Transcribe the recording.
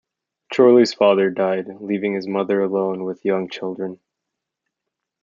Chorley's father died, leaving his mother alone with young children.